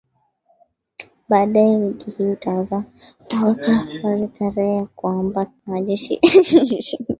baadaye wiki hii utaweka wazi tarehe ya kuwaondoa majeshi nchini afghanistan